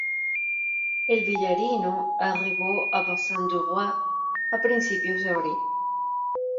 El "Villarino" arribó a Bassin du Roi a principios de abril.